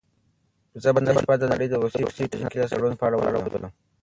زه به نن شپه د نړۍ د وروستیو ټیکنالوژیکي لاسته راوړنو په اړه ولولم.